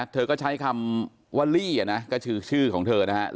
เธอก็ใช้คำว่าลี่นะก็คือชื่อของเธอนะครับ